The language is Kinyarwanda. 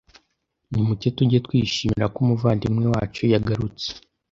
Nimucyo tujye twishimira ko umuvandimwe wacu yagarutse